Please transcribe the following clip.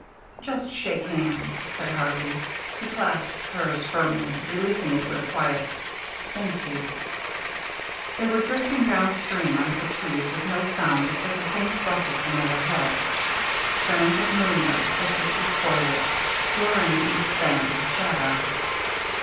"Just shake hands," said Harvey. He clasped hers firmly, releasing it with a quiet "Thank you." They were drifting down stream under the trees with no sound save a faint rustle from overhead. Strands of moonlight sifted through the foliage, blurring the east bank into shadow.